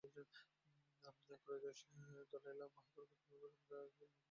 ত্রয়োদশ দলাই লামা তার বৌদ্ধধর্ম সম্বন্ধে জ্ঞানে মুগ্ধ হয়ে তাকে পণ্ডিত উপাধি প্রদান করেন।